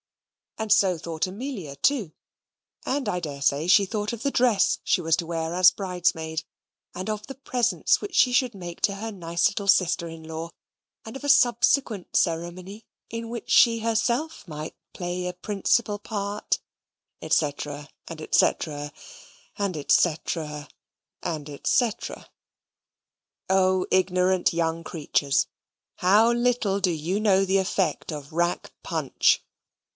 And so thought Amelia, too. And I dare say she thought of the dress she was to wear as bridesmaid, and of the presents which she should make to her nice little sister in law, and of a subsequent ceremony in which she herself might play a principal part, &c., and &c., and &c., and &c. Oh, ignorant young creatures! How little do you know the effect of rack punch!